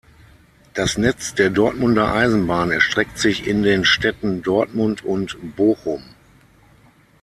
Das Netz der Dortmunder Eisenbahn erstreckt sich in den Städten Dortmund und Bochum.